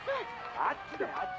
あっちだよあっち！